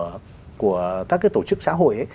những cái tổ chức xã hội